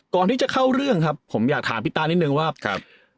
ก่อนที่จะเข้าเรื่องครับผมอยากถามพี่ตานิดนึงว่าครับ